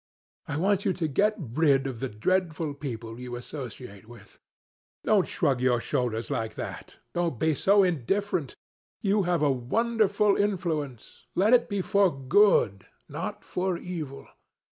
I want you to get rid of the dreadful people you associate with. Don't shrug your shoulders like that. Don't be so indifferent. You have a wonderful influence. Let it be for good, not for evil.